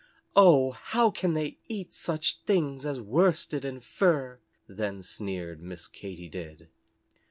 "Oh, how can they eat such things as worsted and fur?" then sneered Miss Katy Did.